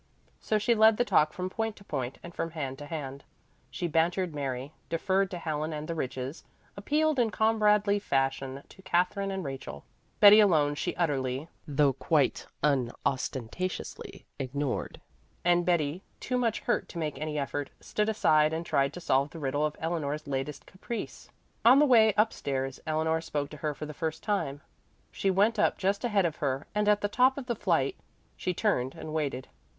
So she led the talk from point to point and from hand to hand. She bantered Mary, deferred to Helen and the Riches, appealed in comradely fashion to Katherine and Rachel. Betty alone she utterly, though quite unostentatiously, ignored; and Betty, too much hurt to make any effort, stood aside and tried to solve the riddle of Eleanor's latest caprice. On the way up stairs Eleanor spoke to her for the first time. She went up just ahead of her and at the top of the flight she turned and waited.